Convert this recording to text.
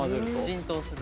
浸透する。